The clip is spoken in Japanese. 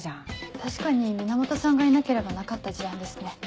確かに源さんがいなければなかった事案ですね。